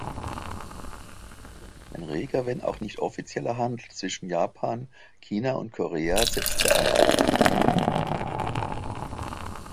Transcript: Ein reger, wenn auch nicht offizieller Handel zwischen Japan, China und Korea setzte ein.